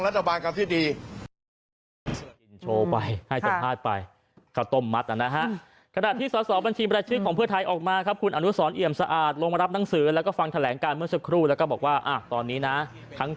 เราอยากเห็นฝ่ายบริษัทธิปไลน์ของเรา